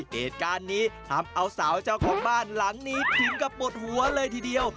เหตุการณ์นี้ทำเอาสาวเจ้าของบ้านหลังนี้ถึงกับหมดหัวเลยทีเดียว